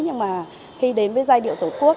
nhưng mà khi đến với giai điệu tổ quốc